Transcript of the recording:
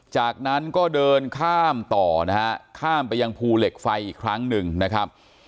จากนั้นก็เดินข้ามต่อนะฮะข้ามไปยังภูเหล็กไฟอีกครั้งหนึ่งนะครับ